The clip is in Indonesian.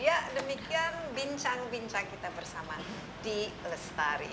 ya demikian bincang bincang kita bersama d lestari